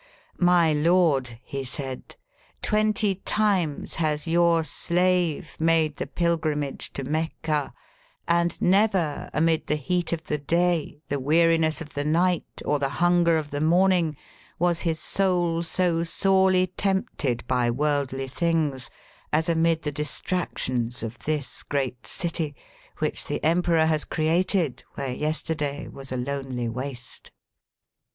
"My lord," he said, "twenty times has^ your slave made the pilgrimage to Mecca, and never amid the heat of the day, the weariness of the night, or the hunger of the morning was his soul so sorely tempted by worldly Digitized by VjOOQIC 270 EAST BY WEST. things as amid the distractions of this great city which the Emperor has created where yesterday was a lonely waste."